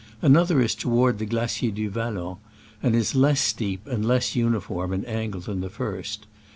Another is toward the Glacier du Vallon, and is less steep and less uniform in angle than the first.